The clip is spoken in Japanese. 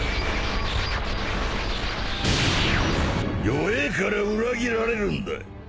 弱えから裏切られるんだ。